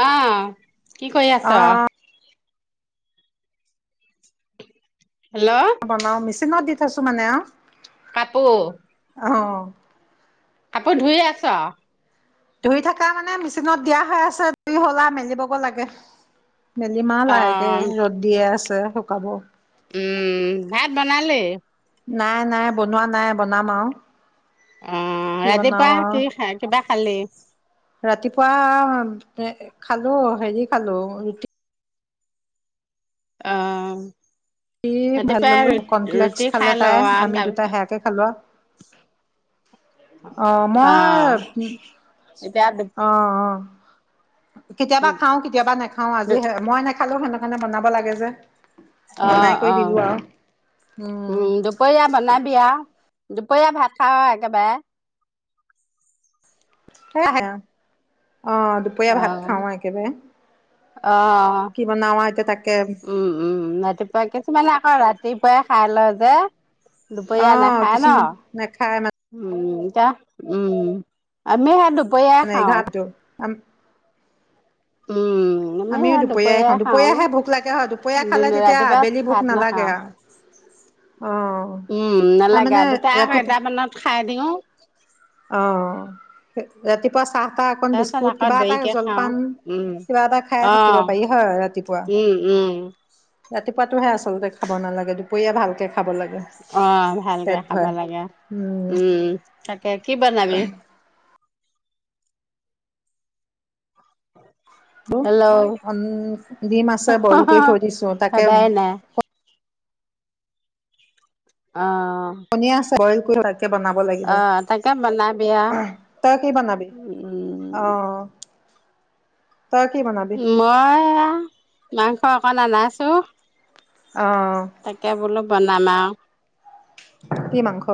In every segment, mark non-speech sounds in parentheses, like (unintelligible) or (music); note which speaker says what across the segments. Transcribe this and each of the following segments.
Speaker 1: আহ কি কৰি আছ
Speaker 2: অ',
Speaker 1: হেল্ল'
Speaker 2: বনাও মিছ ত দি থ আছো মানে অ
Speaker 1: কাপোৰ
Speaker 2: অঁ
Speaker 1: আপৌ ধুইছে আছ
Speaker 2: ধুই থকা মানে মেচিনত দিয়া হৈ আছেই হলা মেলিবগ লাগে মেলিমাহ
Speaker 1: অ
Speaker 2: লাহেকে ৰ'দ দিয়ে আছে শুকাব
Speaker 1: উম ভাত বনালে
Speaker 2: নাই নাই বনোৱা নাই বনাম আৰু
Speaker 1: অ
Speaker 2: কি বনাও
Speaker 1: ৰাতিপুৱা
Speaker 2: আৰু
Speaker 1: কি খ কিবা খালে
Speaker 2: ৰাতিপুৱা খালো হেৰি খালো ৰুটি
Speaker 1: অ
Speaker 2: স ভাল
Speaker 1: ৰাতিপুৱা
Speaker 2: ল'লো কনপ্লেক্স
Speaker 1: ৰুটি খাই
Speaker 2: খালে
Speaker 1: ল
Speaker 2: তাই
Speaker 1: আৰু
Speaker 2: আমি দুটা
Speaker 1: তাৰপিছত
Speaker 2: সেয়াকে খালোৱা অ মই
Speaker 1: এতিয়া
Speaker 2: আহ অ কেতিয়াবা খাও কেতিয়াবা নাখাও আজি মই নেখালো সেনেক মণে বনাব লাগে যে
Speaker 1: আহ
Speaker 2: বনাই কৰি
Speaker 1: অ
Speaker 2: দিলো আৰু।
Speaker 1: উম দুপৰীয়া বনাবি আহ দুপৰীয়া ভাত খাও একেবাৰে।
Speaker 2: হে - হেও অহ, দুপৰীয়া ভাত খাও একেবাৰে।
Speaker 1: অহ,
Speaker 2: কি বনাও আৰু এতিয়া তাকে
Speaker 1: উম- উম ৰাতিপুৱা কিছুমানৰ অহ, ৰাতিপুৱাই খাই লয় যে।
Speaker 2: অ
Speaker 1: দুপৰীয়া নাখায় ন
Speaker 2: কিছুমান নেখায়
Speaker 1: উম। জাহ উম আমিও হেইটো
Speaker 2: (unintelligible)
Speaker 1: উম, উম, আমি
Speaker 2: আমিও
Speaker 1: আৰ
Speaker 2: দুপৰীয়াই
Speaker 1: দুপৰীয়া
Speaker 2: খাওঁ দুপৰীয়াহে ভোক লাগে হয় দুপৰীয়া
Speaker 1: খাও
Speaker 2: খালে
Speaker 1: দিন
Speaker 2: তেতিয়া
Speaker 1: ৰাতিপুৱা
Speaker 2: আবেলি ভোক
Speaker 1: ভাত
Speaker 2: নালাগে
Speaker 1: নাখাও
Speaker 2: আৰু অ
Speaker 1: উম নালাগে
Speaker 2: তাৰমানে
Speaker 1: আৰু দুটা আঢ়ৈতা মানত খাই দিও।
Speaker 2: অহ ৰাতিপুৱা চাহ টা অকন
Speaker 1: তাৰপিছত
Speaker 2: বিস্কুট
Speaker 1: আকৌ
Speaker 2: কিবা এটা
Speaker 1: দেৰিকে খাওঁ
Speaker 2: জলপান
Speaker 1: উম
Speaker 2: কিবা এটা খাই
Speaker 1: অ
Speaker 2: থাকিব পাৰি হয় ৰাতিপুৱা
Speaker 1: উম উম
Speaker 2: ৰাতিপুৱাতো হে আচল হলদে খাব নালাগে দুপৰীয়া ভালকে খাব লাগে
Speaker 1: অহ, ভালকে
Speaker 2: পেট
Speaker 1: খাব
Speaker 2: ভৰাই
Speaker 1: লাগে উম তাক এ কি বনাবি? হেল্ল'
Speaker 2: দিম আছে বইল কৰি থৈ দিছো তাকে
Speaker 1: ভাবাই নাই অ
Speaker 2: কণী আছে বইল কৰি তাকে বনাব
Speaker 1: অ
Speaker 2: লাগিব
Speaker 1: তাকে বনাবি আৰু
Speaker 2: তই কি বনাবি?
Speaker 1: উম
Speaker 2: অহ
Speaker 1: মই এয়া মাংস। মাংস অকণ আনাইছো।
Speaker 2: অ
Speaker 1: তাকে বোলো বনা নানা
Speaker 2: কি মাংস?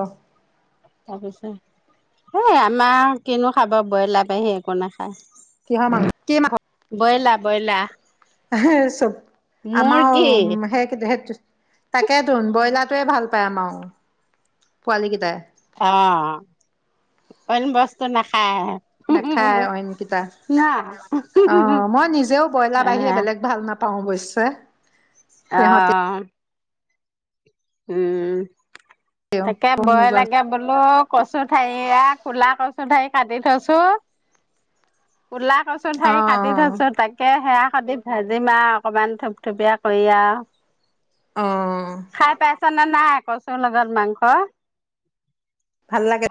Speaker 1: তাৰপিছত এই আমাৰ কিনো খাব বইলাৰ বাহিৰে একো নাখায়।
Speaker 2: কিহৰ মাংস কি মাংস।
Speaker 1: বইলা -বইলা।
Speaker 2: (unintelligible) চব আমাৰ সেই (unintelligible) তাকে ধুন ব্ৰইলাৰটোৱে ভাল পায় আমাৰ পোৱালি কেইটাই।
Speaker 1: অহ, অইন বস্তু নাখায়।
Speaker 2: নেখায় অইনকিটা
Speaker 1: ন
Speaker 2: অহ মই নিজেও ব্ৰইলাৰ
Speaker 1: এ
Speaker 2: বাহিৰে বেলেগ ভাল নাপাও অৱশ্যে
Speaker 1: অ
Speaker 2: সিহঁতে
Speaker 1: উম, তাকে বয় লাগে বোলো। কচু ঠাৰি এয়া কলা কচু ঠাৰি কাটি থৈছো কলা কচু
Speaker 2: অ
Speaker 1: ঠাৰি
Speaker 2: অ
Speaker 1: কাটি থৈছো তাকে সেয়া খাৰদি ভাজিম আৰু অকমান থপথপীয়া কৰি আৰু।
Speaker 2: আহ
Speaker 1: ছ ন নাই আ কৌচো লগত মাংস
Speaker 2: ভাল লাগে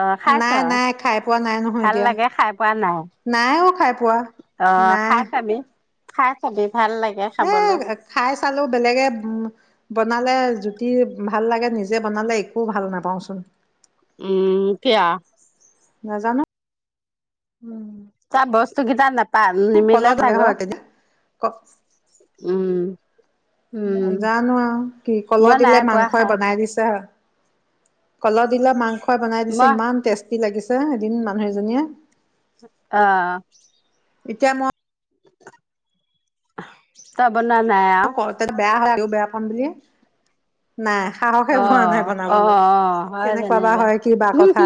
Speaker 1: অ
Speaker 2: নাই
Speaker 1: খাইছ
Speaker 2: নাই খাই পোৱা নাই নহয়
Speaker 1: ভাল
Speaker 2: এতিয়া
Speaker 1: লাগে খাই পোৱা নাই
Speaker 2: নাইও খাই পোৱা
Speaker 1: অ
Speaker 2: নাই
Speaker 1: খাই চাবি খাই খাব
Speaker 2: হে খাই চালো বেলেগে উ বনালে জুতি ভাল লাগে নিজে বনালে একো ভাল নাপাওঁচোন
Speaker 1: উম ক
Speaker 2: নাজানো
Speaker 1: উম চ বস্তু কিত নাপ প নিমিলা
Speaker 2: কলৰ দিলে
Speaker 1: চাগে
Speaker 2: হয় কেতিয়া ক
Speaker 1: উম উম
Speaker 2: জানো আৰু কি কলহ
Speaker 1: মই নাই
Speaker 2: দিলে
Speaker 1: পোৱা
Speaker 2: মাংসই
Speaker 1: খাই
Speaker 2: বনাই দিছে হ কল দিলা মক খ বনাই দিছে
Speaker 1: মই
Speaker 2: ইমান টেষ্টি ব কি লাগিছে এদিন মানুহ এজনীয়ে
Speaker 1: আহ
Speaker 2: এিতিয়া মই
Speaker 1: ত বন
Speaker 2: ক ত বেয়া বেয়া পাম দিয়ে নাই সাহসে
Speaker 1: অ
Speaker 2: পোৱা নাই
Speaker 1: অ
Speaker 2: বনাবলৈ
Speaker 1: অ হয়
Speaker 2: কেনেকুৱা বা
Speaker 1: যেনিবা
Speaker 2: হয় কি বা কথা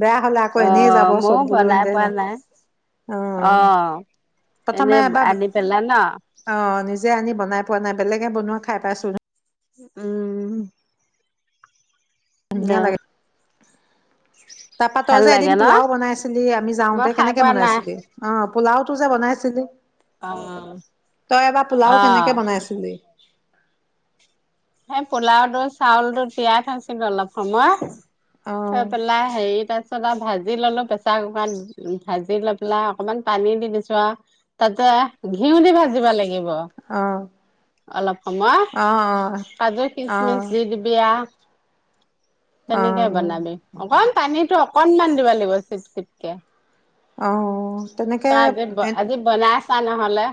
Speaker 2: বেয়া হলে আকৌ
Speaker 1: অ
Speaker 2: এনেই যাব চব
Speaker 1: মই
Speaker 2: বোলো
Speaker 1: বনাই
Speaker 2: হেতে
Speaker 1: পোৱা নাই অ
Speaker 2: প্ৰথমে
Speaker 1: এনেই আনি পেলা ন
Speaker 2: যে আনি বনাই পোৱা নাই বেলেগে বনোৱা খাই পাইছোন
Speaker 1: উম দে
Speaker 2: ধুনীয়া লাগে তাৰ
Speaker 1: ভাল
Speaker 2: পাতৰ যে
Speaker 1: লাগে
Speaker 2: এদিন
Speaker 1: ন
Speaker 2: পোলাও বনাইছিলি আমি
Speaker 1: মই
Speaker 2: যাওঁতে
Speaker 1: খাই
Speaker 2: কেনেকে
Speaker 1: পোৱা নাই
Speaker 2: বনাইছিলি অ পোলাওটো যে বনাইছিলি
Speaker 1: অ
Speaker 2: তই এবাৰ পোলাও
Speaker 1: অ
Speaker 2: কেনেকে বনাইছিলি
Speaker 1: হেই পোলাওটোো চাউলটোো তিয়াই থৈছিলো অলপ সময়
Speaker 2: অ
Speaker 1: ত প লাহ আহে ত আ চত ভাজি ললো প্ৰেছাৰ কুকাৰত ভাজি লৈ পেলাই অকনমান পানী দি দিছো আৰু তাততে ঘিউ দি ভাজিব লাগিব
Speaker 2: অ
Speaker 1: অলপ সমম
Speaker 2: অ
Speaker 1: কাজু
Speaker 2: অ অ
Speaker 1: খচমিচ দিল বিয়া তেনেকে বনাবি
Speaker 2: অ
Speaker 1: অক পানীতটো অকনমান দিব লাগিব চিট চিটকে
Speaker 2: আহ তেনেকে এ
Speaker 1: চাহ নহ'লে।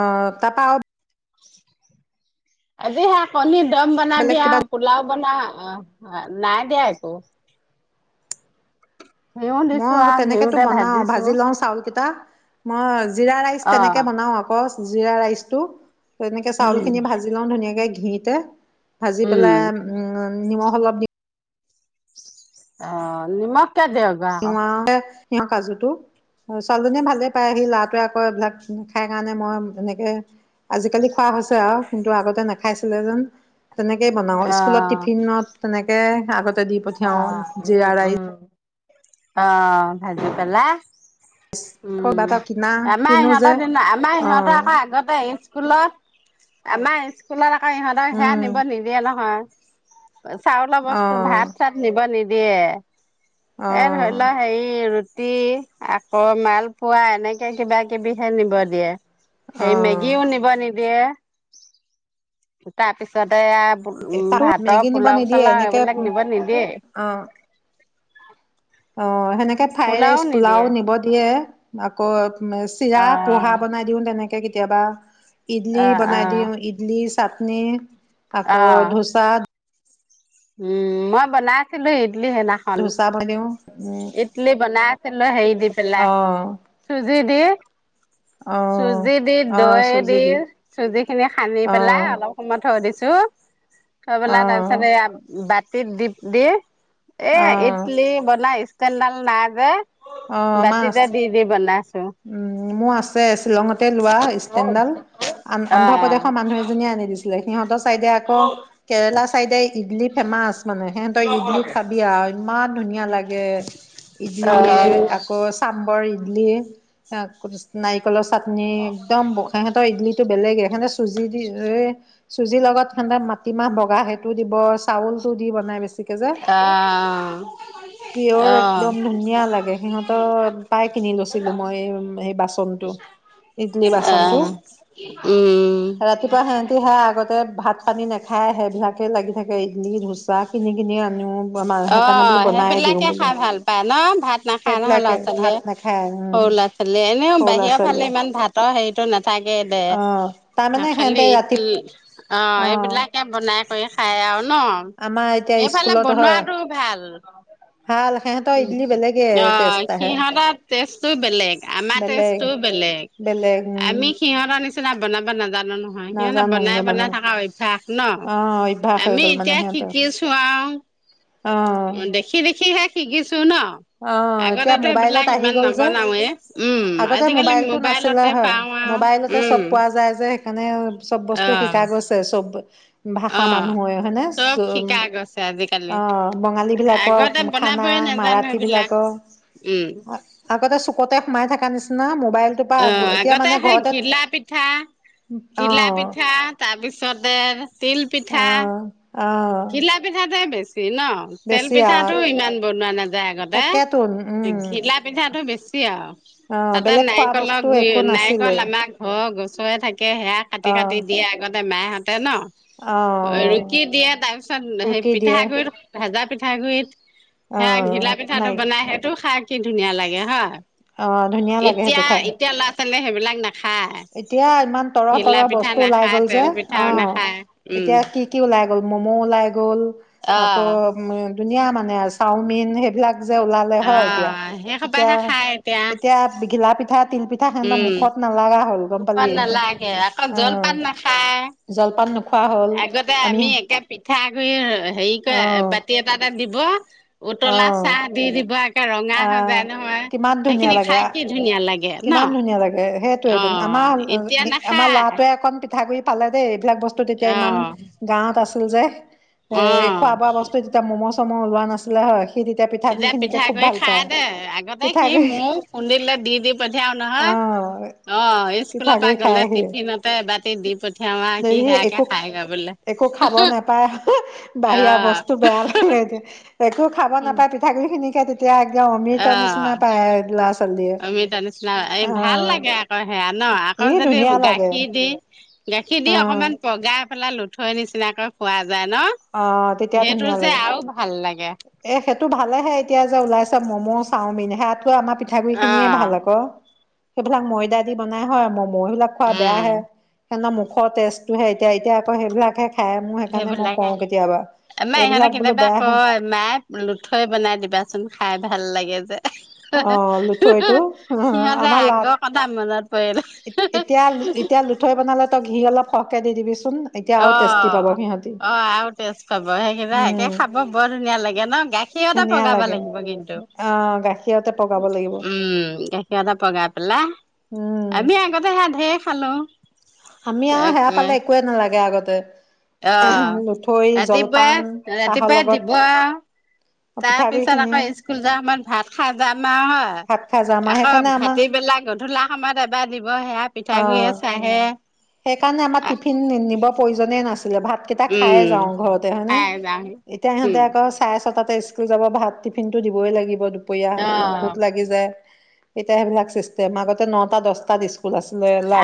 Speaker 2: অহ তাৰ পাও,
Speaker 1: (unintelligible) আজি সে কণি দম বনা
Speaker 2: বেলেগ
Speaker 1: দিয়া
Speaker 2: কিবা
Speaker 1: পুলও বনাবি, অ নাই দিয়া একু
Speaker 2: মই
Speaker 1: দিছো
Speaker 2: আকৌ
Speaker 1: আৰু
Speaker 2: তেনেকেতো
Speaker 1: ঘিউতে
Speaker 2: বনাও
Speaker 1: ভাজিছো
Speaker 2: ভাজি লওঁ চাউল কেইটা। (unintelligible) জিৰা ৰাইচ
Speaker 1: অ
Speaker 2: তেনেকৈ বনাওঁ আকৌ, জিৰা ৰাইচটো তেনেকে
Speaker 1: উম
Speaker 2: চাউলিনি ভাজ লওঁ ধুনীয়াকে গীটা (unintelligible) ভাজি
Speaker 1: উম
Speaker 2: পেলাই উম নিমখ অলপ দিম,
Speaker 1: অ নিমখ কেদও গা (unintelligible)
Speaker 2: সিঁৰ কাজুটো ছোৱালীজনীয়ে ভালেই পায় আহি লৰাটোৱে আকৌ এইবিলাক খাই কাৰণে মই এনেকে আজিকালি খোৱা হৈছে আৰু কিন্তু আগতে নাখাইছিলে যেন। তেনেকেই বনাওঁ
Speaker 1: অ
Speaker 2: স্কুলত টিফিনত তেনেকে (unintelligible) দি
Speaker 1: অ
Speaker 2: পঠিয়াও
Speaker 1: উম
Speaker 2: জিৰা ৰাই
Speaker 1: উম অ ভাজি পেলাই
Speaker 2: আকৌ কিবা
Speaker 1: উম
Speaker 2: এটা কিনা
Speaker 1: আমাৰ
Speaker 2: কিনো যে
Speaker 1: সিহঁতৰ দি আমাৰ
Speaker 2: অ
Speaker 1: সিহঁতৰ আকৌ আগতে আহ স্কুলত আমাৰ স্কুলত ইহঁতক সেয়া
Speaker 2: উম
Speaker 1: নিব নিদিয়ে নহয়। চাউল বস্ত
Speaker 2: অ
Speaker 1: ভাত নিব নিদিয়ে,
Speaker 2: অ
Speaker 1: এ ধৰি লোৱা হেৰি, আকৌ মালপোৱা এনেকে কিবা কিবিহে নিব দিয়ে।
Speaker 2: অ
Speaker 1: সেই মেগি ও নিব নিদিয়ে দিয়ে তাৰপিছত, তাতে
Speaker 2: তাতো
Speaker 1: ভাতৰ পোলাও পোলাও এইবিলাক নিব নিদিয়ে।
Speaker 2: অহ অহ সেনেকে ফ্ৰাই ৰাইচ পোলাও নিব দিয়ে, আাকৌ উম চিৰা পোহা
Speaker 1: অ',
Speaker 2: বনাই দিও, তেনেকে কেতিয়াবা ইডলি
Speaker 1: অ',
Speaker 2: বনাই
Speaker 1: অ',
Speaker 2: দিওঁ, ইডলি চাটনি আকৌ
Speaker 1: অ',
Speaker 2: ডোচা
Speaker 1: উম! মই বনাইছিলোঁ
Speaker 2: ঢুচা বনাই দিও।
Speaker 1: ইডলি বনাছিলে হেৰি দি পেলাই,
Speaker 2: অ
Speaker 1: চূজি দি
Speaker 2: অ
Speaker 1: চুজি দি,
Speaker 2: অ
Speaker 1: দৈ দি,
Speaker 2: চুজি
Speaker 1: চুজি খিনি সানি
Speaker 2: অ
Speaker 1: পেলাই, অলপ সময় থৈ দিছোঁ। তো থৈ
Speaker 2: অ
Speaker 1: পেলাই তাৰপিছতে ইয়াত দি দিয়ে এয়া
Speaker 2: অ
Speaker 1: ইডলি বনাই তেল ডাল নাইযে।
Speaker 2: অ
Speaker 1: বাতিতে
Speaker 2: মাছ
Speaker 1: দি দি বনাই
Speaker 2: উম মোৰ আছে শ্বিলঙতে লোৱা, ষ্টেণ্ডাল। ‌
Speaker 1: অ',
Speaker 2: অন্ধপ্ৰদেশৰ মানুহ এজনীয়ে আনি দিছিলে। সিহঁতৰ চাইডে আকৌ কেৰেলা, চাইডে ইডলি ফেমাচ। মানে, সিহঁতৰ ইডলি খাবি আৰু, ইমান ধুনীয়া লাগে। ইডলি
Speaker 1: অ',
Speaker 2: আকৌ চাম্বৰ দিয়ে নাৰিকলৰ চাট একদম বসাইহঁতৰ ইদলি টো বেলেগে। সিহঁতে চুজি দি, এ চুজিৰ লগত সিহঁতে মাটিমাহ, বগা সেইটো দিব, চাউল টো দি বনাই বেছি কি বুলি কয়,
Speaker 1: অ',
Speaker 2: পিয়ৰ
Speaker 1: অ',
Speaker 2: একদম ধুনীয়া লাগে, সিহঁতৰ পাই কিনি লৈছিলোঁ। মই সেই বাচনটো, ইডলি বাচনটো,
Speaker 1: অ', উম।
Speaker 2: ৰাতিপুৱা সিহঁতি সেই আগতে ভাত পানী নাখাই, সেই বিলাকে লাগি থাকে ইডলি ধোচা কিনি কিনি আনোঁ।
Speaker 1: অ' সেইবিলাকে
Speaker 2: বোলো
Speaker 1: খাই ভাল পায় ন? ভাত নাখায় নহয় ল'ৰা
Speaker 2: সেইবিলাকে ভাত
Speaker 1: ছোৱালীয়ে,
Speaker 2: নাখায় উম
Speaker 1: সৰু ল'ৰা ছোৱালী খালি এনেও
Speaker 2: সৰু ল'ৰা
Speaker 1: বাহিৰৰ ফালে
Speaker 2: ছোৱালীয়ে
Speaker 1: ইমান ভাতৰ হেৰিটো নাথাকে দে,
Speaker 2: অ তাৰমানে সিহঁতে
Speaker 1: খালি
Speaker 2: ৰাতি
Speaker 1: অঁ
Speaker 2: অ
Speaker 1: এইবিলাকে বনাই কৰি খায় আৰু ন?
Speaker 2: আমাৰ এতিয়া
Speaker 1: সেইফালে
Speaker 2: স্কুলত হয়
Speaker 1: বনোৱাটো ভাল
Speaker 2: ভাল সিহঁতৰ ইডলি বেলেগে
Speaker 1: অ
Speaker 2: টেষ্ট আহে
Speaker 1: সিহতৰ টেষ্টটো বেলেগ আমাৰ
Speaker 2: বেলেগ
Speaker 1: টেষ্টটো বেলেগ
Speaker 2: বেলেগ উম
Speaker 1: আমি সিহতৰ নিচিনা বনাব নাজানো ৷ নে
Speaker 2: নাজানোগৈ মানে
Speaker 1: বনাই-বনাই থকা অভ্যাস ন
Speaker 2: অ অভ্যাস হৈ
Speaker 1: আমি
Speaker 2: গ'ল মানে
Speaker 1: এতিয়া
Speaker 2: সিহঁতৰ
Speaker 1: শিকিচো আও ৷ অ দেখি দেখিহে শিকিছ চু ন
Speaker 2: অ এতিয়া
Speaker 1: আগতেতো
Speaker 2: মোবাইলত
Speaker 1: এইবিলাক
Speaker 2: আহি
Speaker 1: ইমান
Speaker 2: গ'ল যে
Speaker 1: নবনাওৱে উম
Speaker 2: আগতে
Speaker 1: আজিকালি
Speaker 2: মোবাইলটো নাছিলে
Speaker 1: মোবাইলতে পাও আউ উম
Speaker 2: সেইকাণে ৷ চব
Speaker 1: অ
Speaker 2: বস্তু শিকা গৈছে চব ভাষা
Speaker 1: অ
Speaker 2: মানুহ হয় হয়নে চ
Speaker 1: চব শিকা গৈছে আজিকালি
Speaker 2: অহ বঙালী বিলাকৰ
Speaker 1: আগতে
Speaker 2: খানা
Speaker 1: বনাবই নাজানো
Speaker 2: মাৰাঠ
Speaker 1: এইবিলাক
Speaker 2: বিলাকৰ
Speaker 1: উম
Speaker 2: আগতে চুকতে মাই থকা নিচিনা ম (unintelligible)
Speaker 1: অ আগতে সেই ঘিলা পিঠা
Speaker 2: অ
Speaker 1: ঘিলা পিঠা তাৰপিছতে তিল
Speaker 2: অ
Speaker 1: পিঠা
Speaker 2: অ
Speaker 1: ঘিলা পিঠাটোৱে বেষ্ট ৷ ন তেল
Speaker 2: বেছি আ
Speaker 1: পিঠাটো ইমান বনোৱা নাযায় আগতে
Speaker 2: তাকেতো উম
Speaker 1: ঘিলা পিঠাটো বেছি তিয়া
Speaker 2: অ
Speaker 1: তাতে
Speaker 2: বেলেগ খোৱা
Speaker 1: নাৰিকলৰ
Speaker 2: বস্তু
Speaker 1: গুৰি
Speaker 2: একো
Speaker 1: নাৰিকল
Speaker 2: নাছিলে
Speaker 1: আমাৰ ঘৰ গছৰে থাকে সেয়া কাটি
Speaker 2: অ',
Speaker 1: কাটি দিয়ে আগত মে (unintelligible) ন
Speaker 2: অ',
Speaker 1: ৰুকি দিয়াত তাৰ পিছত সেই
Speaker 2: ৰুকি দিয়ে
Speaker 1: পিঠাগুৰি ভাজা পিঠা পিঠাগুৰিত সেয়া
Speaker 2: অ',
Speaker 1: ঘিলা পিঠাটো
Speaker 2: নাই
Speaker 1: বনাই সেইটো খাই কি ধুনীয়া লাগে হয়৷
Speaker 2: অ ধুনীয়া লাগে সেইটো খাই ৷
Speaker 1: তেন্তে সেইবিলাক না
Speaker 2: এতিয়া ইমান তৰা-তৰা
Speaker 1: পিঠা
Speaker 2: বস্তু ওলাই
Speaker 1: নাখায়
Speaker 2: গ'ল যে
Speaker 1: তেল
Speaker 2: অ
Speaker 1: পিঠাও নাখায় উম
Speaker 2: এতিয়া কি-কি ওলাই গ মম ওলাই গ'ল ৷
Speaker 1: অ
Speaker 2: আকৌ উম ধুনীয়া মানে চাওমিন সেইবিলাক যে ওলালে
Speaker 1: অ
Speaker 2: হয়
Speaker 1: সেই সোপাহে খাই এতিয়া
Speaker 2: এতিয়া-এতিয়া-এতিয়া ঘিলা পিঠা তিল পিঠা সিহত মুখত নালাগে ৷
Speaker 1: মুখন নালাগে আকৌ জলপান
Speaker 2: অ'।
Speaker 1: নাখায়
Speaker 2: জলপান নোখোৱা হ'ল
Speaker 1: আগতে আমি একে পিঠাগুড় হেৰি কৰে
Speaker 2: অ',
Speaker 1: বাতি এটা এটা দি ৱাহ উতলা
Speaker 2: অ',
Speaker 1: চাহ দি দিবা ৰঙা হৈ
Speaker 2: আহ
Speaker 1: যায় নহয়,
Speaker 2: কিমান ধুনীয়া
Speaker 1: সেইখিনি খাই
Speaker 2: লাগে
Speaker 1: কি ধুনীয়া লাগে। ন
Speaker 2: কিমান ধুনীয়া লাগে সেই
Speaker 1: অ
Speaker 2: আমাৰ
Speaker 1: এতিয়া
Speaker 2: আমাৰ
Speaker 1: নাখায়
Speaker 2: ল'ৰাটোৱে অকণ পিঠা ঠা গুৰি পালে দেই এইবলাক বস্তু তেতিয়া
Speaker 1: অ
Speaker 2: ইমান গাঁৱত আছে। তুলজাই এ
Speaker 1: অ
Speaker 2: খোৱা বোৱা বস্তু যেতিয়া ম'ম'জ চম ওলোৱা নাছিলে হয়। সি পিঠাগুৰি
Speaker 1: তেতিয়া
Speaker 2: খিনিকে খুব
Speaker 1: পিঠাগুৰি
Speaker 2: ভাল
Speaker 1: খাই
Speaker 2: পায়
Speaker 1: দে, আগতে সি
Speaker 2: পিঠাগুৰি
Speaker 1: মৌ শুনিলে দি দিব পঠিয়াও নহয়
Speaker 2: আহ
Speaker 1: আহ স্কুলৰ পৰা
Speaker 2: পিঠাগুৰি খাই
Speaker 1: গ'লে
Speaker 2: আহি
Speaker 1: টিফিনতে এবতি দি পঠিয়াও আ, কি
Speaker 2: সি
Speaker 1: সেয়াকে
Speaker 2: একো
Speaker 1: খাই গে বোলে
Speaker 2: একো খাব নোপায় বাহিৰা
Speaker 1: আহ।
Speaker 2: বস্তু বেয়া লাগে খাব নাপায় পিঠাগুৰি খিনি। এতিয়া আগ অমিতৰ নিচিনা
Speaker 1: অ
Speaker 2: পায় আও লৰা ছোৱালী (inaudible)
Speaker 1: অমিতা এই ভাল লাগে আকৌ সেয়া ন? আকৌ
Speaker 2: ই
Speaker 1: যদি
Speaker 2: ধুনীয়া লাগে
Speaker 1: গাখীৰ দি গাখীৰ দি
Speaker 2: অ
Speaker 1: অকমান পগাই এইফালে লঠুৱৈ নিচিনাকৈ খোৱা যায় ন?
Speaker 2: অ তেতিয়া
Speaker 1: সেইটো
Speaker 2: ধুনীয়া
Speaker 1: যে
Speaker 2: লাগে
Speaker 1: আৰু ভাল লাগে।
Speaker 2: এ সেইটো ভালেহে এতিয়া যে ওলাইছে ম'ম' চাওমিন হে আমাৰ পিঠাগুৰি
Speaker 1: অ
Speaker 2: খিনিয়ে ভাল আক। সেইবিলাক ময়দা দি বনাই হয়। ম বিলাক খোৱা
Speaker 1: উম
Speaker 2: বেয়াহে। সেদিনা মুখৰ টেজটোহে এতিয়া এতিয়া আকৌ সেইবিলাকহে খে মোৰ সেইকাৰণে মই
Speaker 1: সেইবিলাকে
Speaker 2: কওঁ কেতিয়াবা। এইবিলাক বোলো বেয়া হয়।
Speaker 1: লুথৈ বনাই দিবাচোন খাই ভাল লাগে যে।
Speaker 2: অ লুঠৈটো
Speaker 1: (unintelligible) সিহঁতে
Speaker 2: আমাৰ লাত
Speaker 1: আগৰ কথা মনত পৰিলে
Speaker 2: এতিয়া এতিয়া লুঠৈ বনালে তই ঘি অলপ সৰকে দি দিবি ছোঁ।
Speaker 1: অ অ আৰু তেজ খবৰ সেইকেই
Speaker 2: উম
Speaker 1: একে খাব বৰ ধুনীয়া লাগে ন? গাখীৰতে
Speaker 2: ধুনীয়া
Speaker 1: পগাব
Speaker 2: লাগে
Speaker 1: লাগিব কিন্তু।
Speaker 2: অ গাখীৰতে পগাব লাগিব
Speaker 1: উম গাখীৰতো পগাই পেলাই
Speaker 2: উম
Speaker 1: আমি আগতে হে ধেই খালো
Speaker 2: আমি আহ সেৱ পালে একোৱে নালাগে আগতে
Speaker 1: আহ
Speaker 2: লুঠৈ জলপান
Speaker 1: ৰাতিপুৱাই
Speaker 2: চাহৰ
Speaker 1: ৰাতিপুৱাই
Speaker 2: লগত
Speaker 1: দিব আহ তাৰ
Speaker 2: পিঠাগুৰি
Speaker 1: পিছত
Speaker 2: খিনি
Speaker 1: আকৌ স্কুল যোৱা সময়ত ভাত খাইজাম আৰু
Speaker 2: ভাত খাই যাম আৰু
Speaker 1: আকৌ
Speaker 2: সেইকাৰণে আমাৰ
Speaker 1: ভাটিবেলাক গধূলা সময়ত এবাৰ দিব সেয়া পিঠাগুৰিয়ে চাহে
Speaker 2: সেই কাৰণে আমাৰ টিফিন নি নিব প্ৰয়োজনে নাছিল ভাতকেইটা খাই
Speaker 1: উম
Speaker 2: যাওঁ ঘৰতে হয়নে
Speaker 1: খাই যাওঁহি
Speaker 2: এতিয়া এতিয়া সিহঁতে
Speaker 1: উম
Speaker 2: আকৌ চাই তাতে স্কুল যাব ভাত টিফিনটো দিবই লাগিব দুপিয়া
Speaker 1: অ
Speaker 2: ভোক লাগি যায় এতিয়া সেইবিলাক চিষ্টেম আগতে নটা দহটা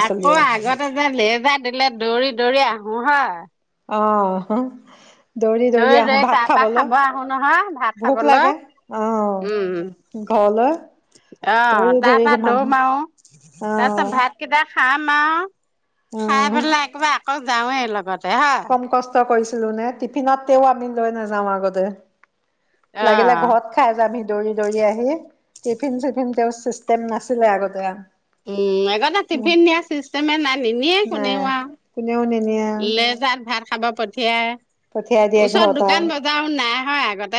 Speaker 1: আকৌ আগতে যে লে মজা দিলে দৌৰি দৌৰি আহো হয়
Speaker 2: আহ
Speaker 1: দৌৰি দৈ তাৰ পা খাব আহো নহয় ভাত
Speaker 2: ভোক
Speaker 1: খাবলৈ
Speaker 2: লাগে অ
Speaker 1: উম
Speaker 2: ঘৰলৈ
Speaker 1: আহ
Speaker 2: ধৰি
Speaker 1: তাৰ পৰা
Speaker 2: ধৰি
Speaker 1: দৌৰ
Speaker 2: মানুহ
Speaker 1: মাৰো।
Speaker 2: অ
Speaker 1: তা পাছত ভাতকেইটা খাম মাও খাই
Speaker 2: উম
Speaker 1: পেলায় একেবাৰ আকৌ যাওঁৱে লগত
Speaker 2: কম কষ্ট কৰিছ ছিলো নে টিফিনত তেও আমি লৈ নাযাওঁ আগতে লাগিলে
Speaker 1: অ',
Speaker 2: ঘৰত খাই যাম সি দৌৰি দৌৰি আহি টিফিন চিফিন তেওঁ চিষ্টেম নাছিলে আগতে
Speaker 1: উম আগতে টিফিন নিয়া চিষ্টেমে নাই নিনিয়ে
Speaker 2: নাই
Speaker 1: কোনেও
Speaker 2: কোনেও নিনিয়ে
Speaker 1: আৰু লেজাৰ ভাত খাব পঠিয়াই
Speaker 2: পঠিয়াই দিয়ে
Speaker 1: ওচৰত
Speaker 2: ঘৰত
Speaker 1: দোকান
Speaker 2: আৰু
Speaker 1: বজাৰো নাই হয় আগতে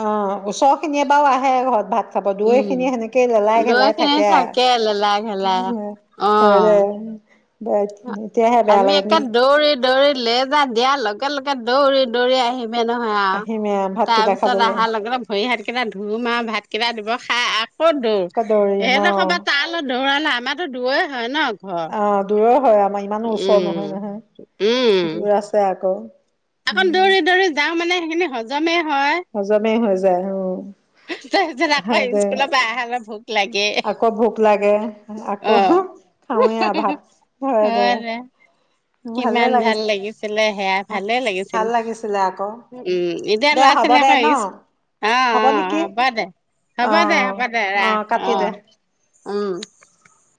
Speaker 2: অ ওচৰ খিনি বাও আহে ঘৰত ভাত খাব দয়
Speaker 1: উম,
Speaker 2: খিনি সেনেকেই লেলাই
Speaker 1: দৈ
Speaker 2: ঘেলাই
Speaker 1: খিনি
Speaker 2: থাকে
Speaker 1: লেলাই ঘেলাই।
Speaker 2: আৰু
Speaker 1: অ',
Speaker 2: হয় এতিয়াহে বেয়া
Speaker 1: আমি একে
Speaker 2: লাগে
Speaker 1: দৌৰি দৌৰি লেজাৰ দিয়া লগে লগে দৌৰি দৌৰি আহিম নহয় আৰু
Speaker 2: আহিমে
Speaker 1: তাৰ
Speaker 2: ভাতকেইটা
Speaker 1: পিছত
Speaker 2: খাবলৈ
Speaker 1: আহাৰ লগে লগে ভৰি হাত কেইটা ধুম আৰু ভাতকেইটা দিব ক'ত দৌৰ
Speaker 2: আকৌ দৌৰিম অ
Speaker 1: এদখ পা তালৈ দৌৰাত আমাটো দুয়ে হয় ন ঘৰ।
Speaker 2: অ দূৰৰ হয় আমাৰ ইমানো ওচৰ
Speaker 1: উম
Speaker 2: নহয়
Speaker 1: উম
Speaker 2: নহয় দূৰ আছে আকৌ
Speaker 1: আকৌ
Speaker 2: উম
Speaker 1: দৌৰি দৌৰি যাওঁ মানে সেইখিনি সজ জমে
Speaker 2: হজমেই হৈ য
Speaker 1: তাৰ পিছত আকৌ স্কুলৰ পৰা ন ভোক লাগে
Speaker 2: আকৌ ভোক লাগে। আকৌ
Speaker 1: অ
Speaker 2: খাওঁৱে আৰু ভাত
Speaker 1: হ দে
Speaker 2: ভালে
Speaker 1: কিমান ভাল
Speaker 2: লাগিছে
Speaker 1: লাগিছিলে সেয়া ভালেই লাগিছিল
Speaker 2: ভাল লাগিছিলে আকৌ
Speaker 1: উম এতিয়া
Speaker 2: দে
Speaker 1: ল'ৰা
Speaker 2: হ'ব
Speaker 1: ছোৱালী
Speaker 2: দে
Speaker 1: আকৌ
Speaker 2: ন
Speaker 1: আহ অ অ হ'ব দে
Speaker 2: অ
Speaker 1: হ'ব দে হ'ব দে ৰাখ। অ
Speaker 2: কাটি দে
Speaker 1: উম